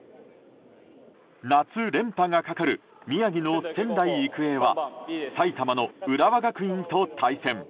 夏連覇がかかる宮城の仙台育英は埼玉の浦和学院と対戦。